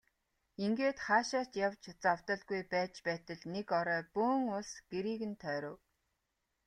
Ингээд хаашаа ч явж завдалгүй байж байтал нэг орой бөөн улс гэрийг нь тойров.